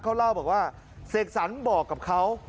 เขาเล่าบอกว่าเสกสรรบอกกับเขา